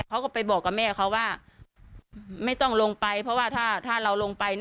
เขาก็ไปบอกกับแม่เขาว่าไม่ต้องลงไปเพราะว่าถ้าเราลงไป